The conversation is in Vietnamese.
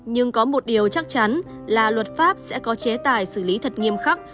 nhưng có một điều chắc chắn là luật pháp sẽ có chế tài xử lý thật nghiêm khắc